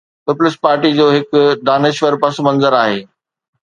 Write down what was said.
Peoples Party جو هڪ دانشور پس منظر آهي.